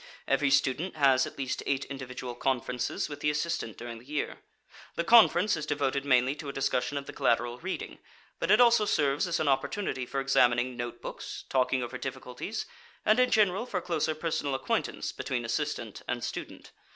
Every student has at least eight individual conferences with the assistant during the year. The conference is devoted mainly to a discussion of the collateral reading, but it also serves as an opportunity for examining note books, talking over difficulties, and in general for closer personal acquaintance between assistant and student.